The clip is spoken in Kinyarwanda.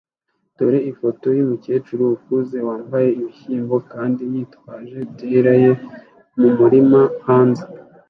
Dore ifoto yumukecuru ukuze wambaye ibishyimbo kandi yitwaje terrier ye mumurima hanze